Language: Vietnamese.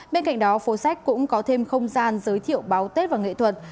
bên cạnh đó phố sách cũng có thêm không gian giới thiệu báo tết và nghệ thuật